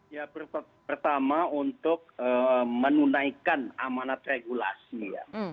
ya pertama untuk menunaikan amanat regulasi ya